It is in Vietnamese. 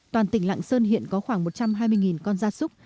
toàn tỉnh lạng sơn hiện có khoảng một trăm hai mươi con gia súc